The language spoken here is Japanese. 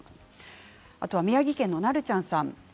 宮城県の方です。